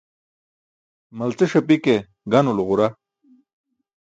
Malciṣ api ke ganulo ġura.